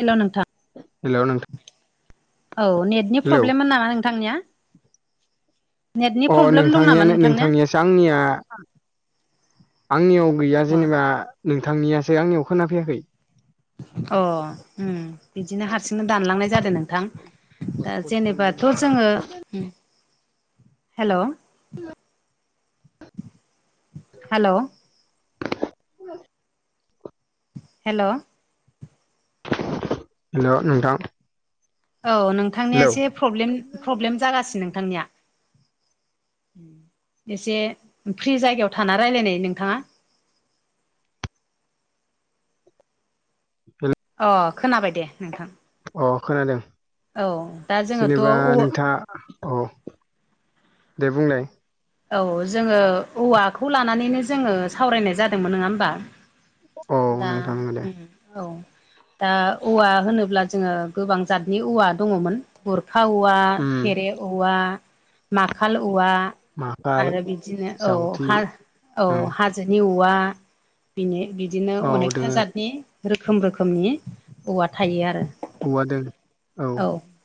हेल' नोंथां। हेलौ नोंथां औ नेत नि हेलौ प्रब्लेममोन नामा नोंथांनिया? नेटनि अ प्रब्लेम दं नामा नोंथांनियानो नोंथांनिया नोंथांनियासो आंनिया आंनियाव गैया जेनेबा नोंथांनियासो आंनियाव खोना फैयाखै। अ उम बिदिनो हारसिंनो दानलांनाय जादों नोंथां। दा जेनेबाथ' जोङो उम हेल' हेल'। [unintelligible] हेल'। हेल' नोंथां। औ नोंथांनिया हेलौ एसे प्रब्लेम जागासिनो नोंथांनिया। एसे फ्रि जायगायाव थाना रायलायनाय नोंथाङा। [unintelligible] अ खोनाबाय दे नोंथां। अ खोनादों औ दा जोङोथ' जेनेबा औ नोंथाङा औ दे बुंलाय औ जोंङो औवाखौ लानानैनो जोंङो सावरायनाय जादोंमोन नोंङा होमबा? औ दा नोंथां नंगौ दे उम औ दा औवा होनोब्ला जोंङो गोबां जातनि औवा दंङ'मोन। गुरखा औवा उम थेरे औवा माखाल औवा माखाल आरो बिदिनो औ जावथि हा औ उम हा जोनि औवा बिनि बिदिनो औ अनेकथा दोङो जातनि रोखोम रोखोमनि औवा थायो आरो। औवादों औ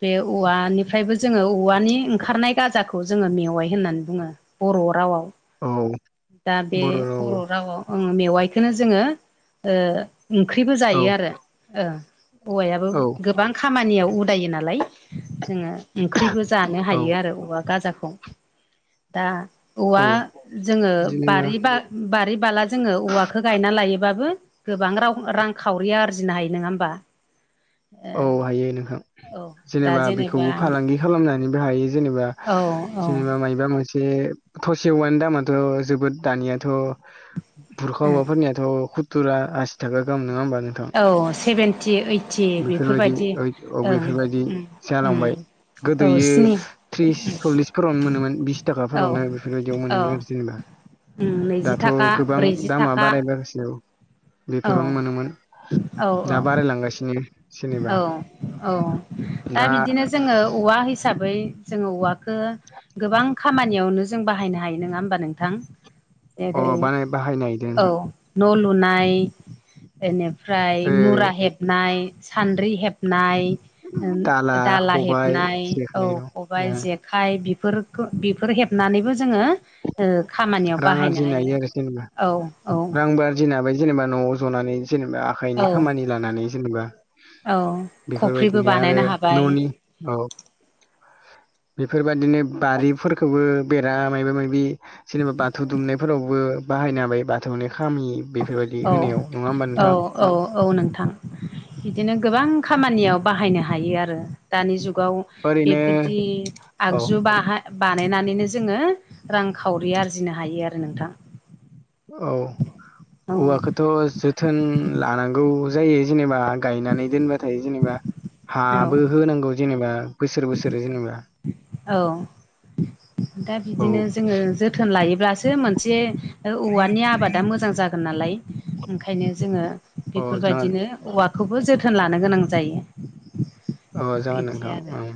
बे औवानिफ्रायबो जोंङो औवानि ओंखारनाय गाजाखौ जोंङो मेवाइ होननानै बुंङो। बर' रावआव औ दा बे बर' राववाव मेवाइखौनो जोंङो ओ ओंख्रिबो औ जायो आरो ओं औवायाबो औ गोबां खामानियाव उदायो नालाय जोंङो ओंख्रिबो जानो औ हायो आरो औवा गाजाखौ। दा औवा औ जोंङो जेनेबा बारि बा बारि बाला जोंङो औवाखौ गायना लायो बाबो गोबां राव रांखावरि आरजिनो हायो नोंङा होमबा? औ हायो नोंहां औ दा जेनेबा बेखौबो फालांगि खालामनानैबो हायो जेनेबा औ औ सिनेमा मापबा मोनसे बे थसे औवानि दामाथ' जोबोद दानियाथ' बुरखा ओवाफोरनिया थ' खुत्तुरा आसि थाखा गाहाम नोंङा होमबा नोंथां? औ सेभेेनटि ओइट बेफोरबायदि ओद बेफोरबायदि उम उम जालांबाय। औ गोदोयो स्नि त्रिस सल्लिसफोरावनो मोनोमोन बिस औ थाखाफोरावनो बेफोरबायदियाव औ मोनोमोन आरो जेनेबा। उम नैजि दाथ' थाखा गोबां ब्रैजि दामा थाखा बारायबासिनो औ औ बेफोरावनो मोनोमोन औ दा औ बारायलांगासिनो। जेनेबा औ औ दा बिदिनो जोंङो औवा हिसाबै जोंङो औवाखौ गोबां खामानियावनो जों बाहायनो हायो नोंङा होनबा नोंथां? अ जेरै बानाय बाहायनो नागिरदों औ नोंथां न' लुनाय बेनिफ्राय ओ मुरा हेबनाय सान्द्रि हेबनाय दाला खबाइ हेबनाय औ जेखाइ खबाइ जेख खाय बेफोरखो बेफोर हेबनानैबो जोंङो ओ खामानियाव रां बाहायनो आरजिनो हायो औ औ दिनाबाय जेनेबा न'आव जनानै जेनेबा आखाइनि औ खामानि लानानै जेनेबा औ खफ्रिबो बेफोरबायदिनो आरो बानायनो हाबाय न'नि औ बेफोरबायादिनो बारिफोरखौबो बेरा माबा माबि जेनेबा बाथौ दुमनायफोरावबो बाहायनो हाबायो बाथौनि खामि बे बेफोरबायदि औ होनायाव नंङा होमबा औ नोंथांङा? औ औ नोंथां। बिदिनो गोबां खामानियाव बाहायनो हायो आरो दानि जुगाव। ओरैनो बेफोरदि औ आगजु बाहाय बानायनानैनो जोंङो रांखावरि आरजिनो हायो आरो नोंथां। औ औ औवाखौथ' जो थोन लानांगौ जायो जेनेबा गायनानै दोनबाथाय जेनेबा औ हाबो होनांगौ जेनेबा बोसोर बोसोर जेनेबा औ दा औ बिदिनो जोंङो थोन लायोब्लासो मोनसे औवानि आबादा मोजां जागोन नालाय ओंखायनो जोंङो औ जागोन बेफोरबायदिनो औवाखौबो जोथोन लानो गोनां जायो। अ जागोन बिदि आरो नोंथांं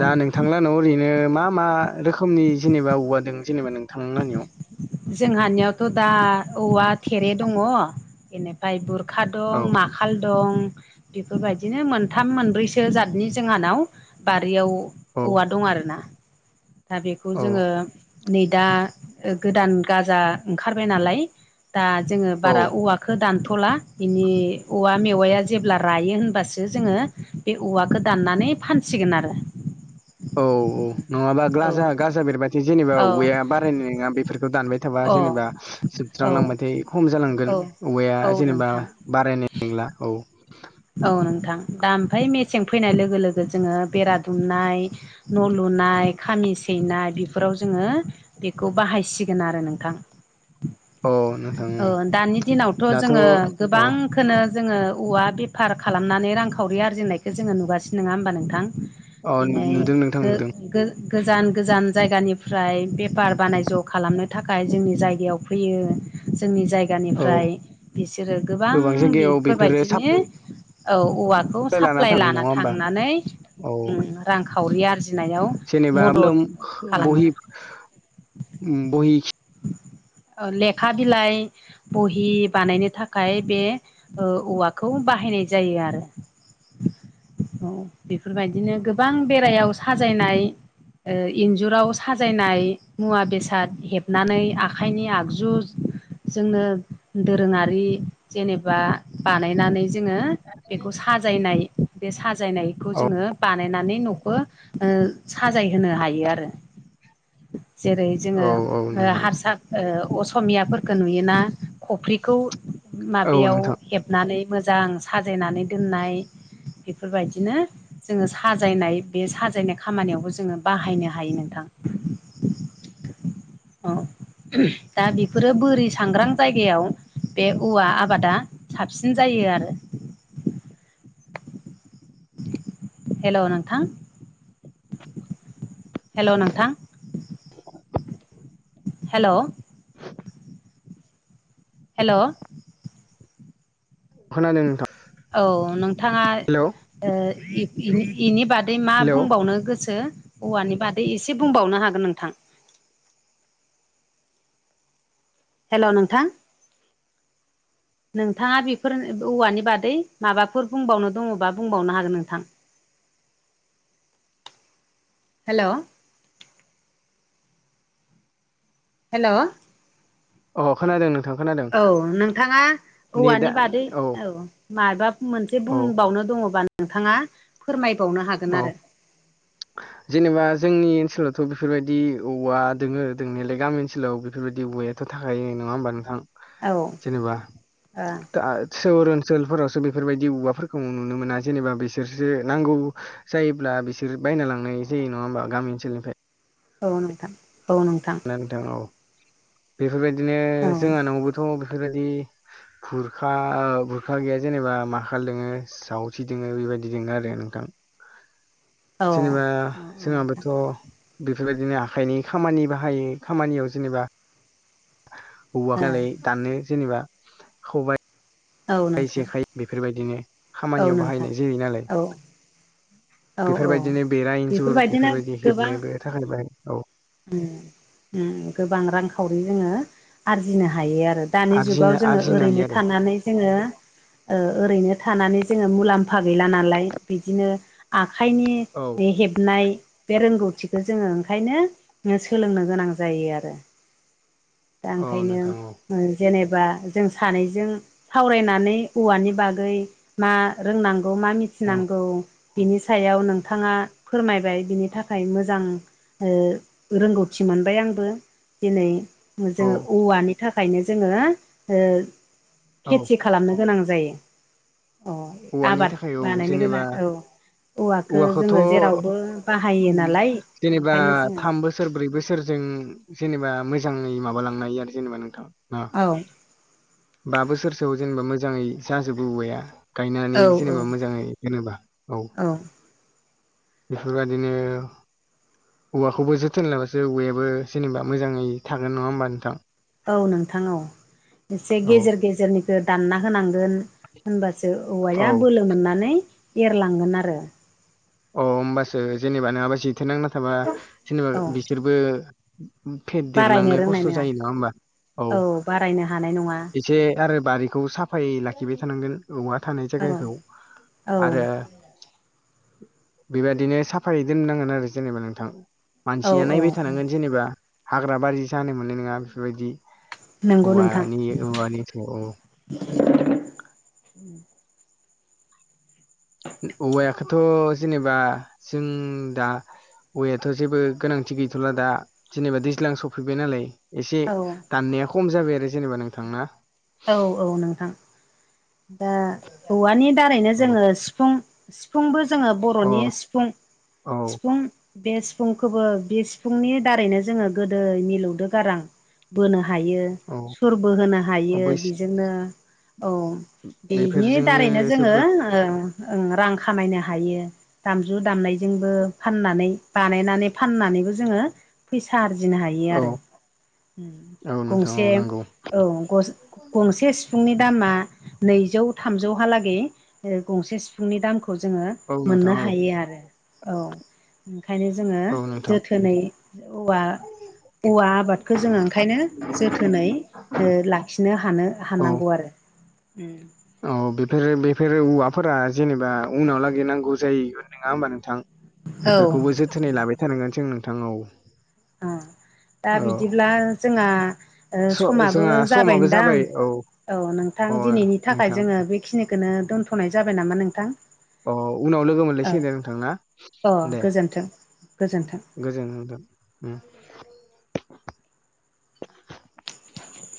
औ दा नोंथांला नाव ओरैनो मा मा रोखोमनि जेनेबा औवा दं जेनेबा नोंथांलाहानियाव जोंहानियावथ' दा औवा थेरे दङ बे फायय बुरखा औ दं माखाल दं बेफोरबायदिनो मोनथाम मोनब्रैसो जतनि जोंहानाव बारियाव औ औवा दं आरो ना दा बेखौ औ जोङो नै दा गोदान गाजा ओंखारबाय नालाय दा जोंङो औ बारा औवाखौ दानथ'ला। बेनि औवा मेवाया जेब्ला रायो होनबासो जोंङो बे औवाखौ दाननानै फानसिगोन आरो। औ औ नंङाबा औ ग्लाजा गाजा बेरबाथाय जेनेबा औ औवा बारायनाय नोंङा बे फोरखौ दानबाय थाबा जेनेबा औ जोबस्रांलांबाथाय खम औ जालांगोन औवाया औ जेनेबा नोंथां बारायनाय नंला औ औ नोंथां दा ओमफाय मेसें फैनाय लोगो लोगो जोंङो बेरा दुमनाय न' लुनाय खामि सैनाय बेफोराव जोङो बेखौ बाहायसिगोन आरो नोंथां औ नोंथां औ दानि दिनावथ' दाथ' जोङो औ गोबां खोनो जोङो औवा बेफार खालामनानै रांखावरि आरजिनायखौ जोङो नुगासिनो नङा होमबा नोंथां औ दिनै नुदों नोंथां गो नुदों गो गोजान गोजान जायगानिफ्राय बेफार बानायज' खालामनो थाखाय जोंनि जायगायाव फैयो जोंनि औ जायगानिफ्राय बिसोरो गोबां जायगायाव बेफोरो बेफोरबायदिनो औ औवाखौ साप्लाय साप्लाइ थानाय नङा लाना होमबा थांनानै औ ओ रांखावरि आरजिनायाव जेनेबा मदद [unintelligible] खालामो बहि ओ बहि ओ लेखा बिलाइ बहि बानायनो थाखाय बे ओ औवाखौ बा हायनाय जायो आरो औ बेफोरबायदिनो गोबां बेरायाव साजायनाय ओ इन्जुराव साजायनाय मुवा बेसाद हेबनानै आखाइनि आगजु जोंनो दोरोङारि जेनेबा बानायनानै जोङो बेखौ साजायनाय बे साजायनायखौ औ जोङो बानायनानै न'खौ ओ साजायहोनो हायो आरो जेरै जोङो औ औ ओ नोंथां हारसा ओ असमियाफोरखौ नुयोना खफ्रिखौ औ माबायाव नोंथां हेब नानै मोजां साजायनानै दोननाय बेफोरबायदिनो जोङो साजायनाय बे साजायनाय खामानियावबो जोङो बाहायनो हायो नोंथां औ दा बेफोरो बोरै सांग्रां जायगायाव बे उवा आबादा साबसिन जायो आरो हेल' नोंथां हेल' नोंथां हेल' हेल' खोनादों नोंथां औ नोंथाङा हेलौ ओ बेनि बादै मा हेलौ बुंबावनो गोसो औवानि बादै एसे बुंबावनो हागोन नोंथां हेल' नोंथां नोंथाङा बेफोर औवानि बादै माबाफोर बुंबावनो दङबा बुंबावनो हागोन नोंथां हेल' हेल' अ खोनादों नोंथां खोनादों औ नोंथाङा नेटआ औवानि बादै औ माबा मोनसे औ बुंबावनो दङबा नोंथाङा फोरमायबावनो हागोन औ आरो [unintelligible] जेनेबा जोंनि ओनसोलावथ' बेफोरबायदि औवा दोङो दोंनायालाय गामि ओनसोलाव बेफोरबायदि औवाया थ' थाखायो नङा होमबा नोंथां? औ। जेनेबा दा सोहर ओनसोलफोरावसो बेफोरबायदि औवाफोरखौ नुनो मोना जेनेबा बिसोरसो नांगौ जायोब्ला बिसोर बायना लांनाय जायो नङा होमबा गामि ओनसोलनिफ्राय औ नोंथां औ नोंथां ना नोंथां औ बेफोरबायदिनो औ जोंहानावबोथ' बेफोरबायदि बुरखा बुरखा गैया जेनेबा माखाल दोङो जावथि दङो बेबायदि दङो आरो नोंथां [inaudible] जेनिबा औ नोंथां जोंहाबोथ' बेफोरबायदिनो आखाइनि खामानि बाहायो खामानियाव जेनेबा औवलाय औ दाननो जेनेबा खबाइ नोंथां जेखाय बेफोरबायदिनो औ खामानियाव नोंथां बाहायनाय जायो नालाय। औ औ औ बेफोरबायदिनो बेरा इन्जुर बेफोरबायदिनो बेफोरबायदि हेबनोबो थाखाय औ। उम्म उम्म गोबां रांखावरि जोङो आरजिनो हायो आरो। दानि जुगाव आरजिनो जोङो आरजिनो हायो ओरैनो आरो थानानै जोङो ओ ओरैनो थानानै जोङो मुलाम्फा गैला नालाय बिदिनो आखाइनि औ बे हेबनाय बे रोंगौथिखौ जोङो ओंखायनो सोलोंनो गोनां जायो आरो। दा औ नोंथां औ ओंखायनो जेनेबा जों सानैजों सावरायनानै औवानि बागै मा रोंनांगौ मा औ मिथिनांगौ बिनि सायाव नोंथाङा फोरमायबाय बिनि थाखाय मोजां ओ रोंगौथि मोनबाय आंबो दिनै औ जोङो औवानि थाखायनो जोङो ओ औ खेथि खालामनो गोनां जायो, अ औवानि आबाद थाखाय औ बानायनायनो गोनां जेनेबा औ। औवखौ जोङो औवाखौथ' जेरावबो बाहायो नालाय ओंखायनो जोङो बोसोरब्रै बोसोरजों जेनेबा मोजाङै माबालांनो हायो आरो जेनेबा नोंथां। औ बा बोसोरसोआव जेनेबा मोजाङै जाजोबो औवाया। गायनानै औ औ जेनेबा मोजाङै दोनोबा औ। बेफोरबायदिनो औवाखौबो जोथोन लाबासो औवायाबो जेनेबा मोजाङै थागोन नङा होमबा नोंथां? औ नोंथां औ एसे औ गेजेर गेजेरनिखौ दानना होनांगोन। होनबासो औ औवाया बोलो मोननानै एरलांगोन आरो। अ होमबासो जेनेबा नङाबा जेथो नांना थाबा जेनेबा औ बिसोरबो फेद बारायनो देरलांनो रोंनाय खस्थ' जायो नङा होमबा औ। बारायनो हानाय नङा एसे आरो बारिखौ साफायै लाखिबाय थानांगोन औवा थानाय औ जायगाखौ औ आरो बेबादिनो साफायै दोननांगोन आरो जेनेबा नोंथां औ मानसिया औ नायबाय थानांगोन जेनेबा हाग्रा बारि जानो मोननाय नङा बेफोरबायदि नंगौ नोंथां औवानि औवानिथ' औ। औवायखौथ' जेनेबा जों दा औयाथ' जेबो गोनांथि गैथ'ला दा जेनेबा दैज्लां सफैबाय नालाय। एसे औ दाननाया खम जाबाय आरो जेनेबा नोंथांना? औ औ नोंथां दा औवानि दारैनो अ जोङो सिफुं सिफुंबो जोङो औ बर'नि सिफुं औ सिफुं बे सिफुंखौबो बे सिफुंनि दारैनो जोङो गोदै मिलौदो गारां बोनो हायो सुर बो होनोनो हायो बै बेजोंनो औ। बेनि बेफोरजोंनो दारैनो जोङो जोबोद ओ रां खामायनो हायो। दामजु दामनायजोंबो फाननानै बानायनानै फाननानैबो जोङो फैसा आरजिनो हायो औ आरो औ नोंथां गंसे औ नंगौ औ। गंसे सिफुंनि दामा नैजौ थामजौहालागै गंसे सिफुंनि दामखौ जोङो औ मोननो नोंथां औ हायो आरो औ। ओंखायनो जोङो औ नोंथां जोथोनै औवा औवा आबादखौ जोङो ओंखायनो जोथोनै लाखिनो हायो। थानो औ हानांगौ आरो उम्म। औ बेफोर बेफोरो औवाफोरा जेनेबा उनाव लागै नांगौ जायो। नङा होमबा नोंथां औ बेफोरखौबो जोथोनै लाबाय थानांगोन जों नोंथां औ। अ दा औ बिदिब्ला जोंहा स' समाबो जोंहा समाबो जाबायदां? जाबाय औ औ नोंथां अ दिनैनि थाखाय नोंथां जोङो बेखिनिखौनो दोनथ'नाय जाबाय नामा नोंथां? अ उनाव लोगो औ मोनलायसिगोन दे नोंथांना अ दे। गोजोन्थों गोजोन्थों [unintelligible] [inaudible]